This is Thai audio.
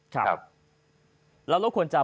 ครับแล้วเราควรจะ